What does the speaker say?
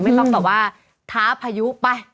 ไม่ต้องต่อว่าท้าพายุไป